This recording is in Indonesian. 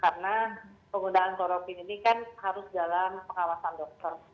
karena penggunaan kloroquine ini kan harus dalam pengawasan dokter